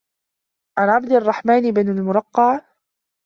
عَنْ عَبْدِ الرَّحْمَنِ بْنِ الْمُرَقَّعِ